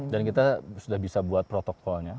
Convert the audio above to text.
dan kita sudah bisa buat protokolnya